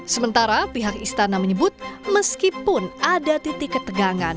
sementara pihak istana menyebut meskipun ada titik ketegangan